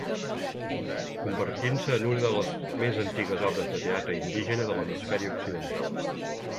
Convertint-se en una de les més antigues obres de teatre indígena de l'hemisferi occidental.